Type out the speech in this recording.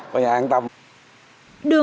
đường đang được nâng cao